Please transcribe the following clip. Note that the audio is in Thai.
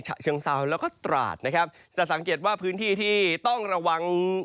ฉะเชิงเซาแล้วก็ตราดนะครับจะสังเกตว่าพื้นที่ที่ต้องระวัง